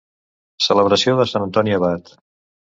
Celebració de Sant Antoni Abat.